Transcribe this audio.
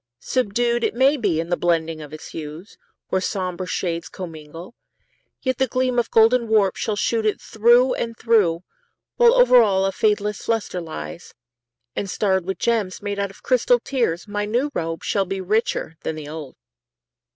Subdued, It may be, in the blending of its hues, Where somber shades commingle, yet the gleam Of golden warp shall shoot it through and through, While over all a fadeless luster lies, And starred with gems made out of crystalled tears, My new robe shall be richer than the old.